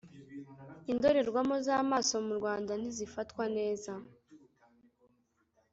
indorerwamo z’ amaso mu rwanda ntizifatwa neza.